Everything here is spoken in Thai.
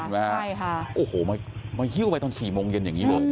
ใช่ค่ะโอ้โหมาฮิ้วไปตอน๔โมงเย็นอย่างนี้เลย